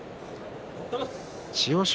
千代翔